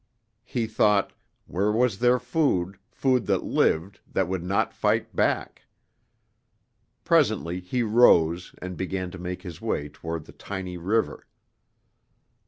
He thought: Where was there food, food that lived, that would not fight back? Presently he rose and began to make his way toward the tiny river.